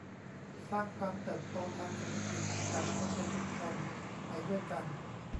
สร้างความเติบโตทางเศรษฐกิจกับคนในชุมชนไปด้วยกัน